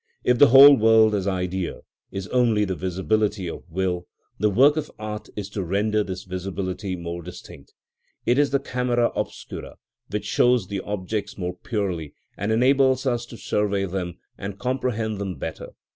If the whole world as idea is only the visibility of will, the work of art is to render this visibility more distinct. It is the camera obscura which shows the objects more purely, and enables us to survey them and comprehend them better.